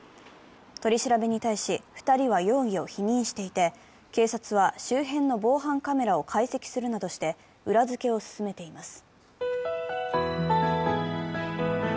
取り調べに対し、２人は容疑を否認していて、警察は周辺の防犯カメラを解析するなどして裏付けを進めています。